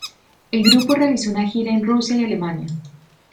El grupo realizó una gira en Rusia y Alemania.